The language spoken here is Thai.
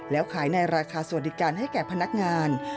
แล้วขายในราคาสวัสดิการให้แก่พนักงาน